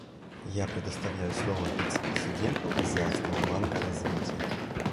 Я предоставляю слово вице-президенту Азиатского банка развития.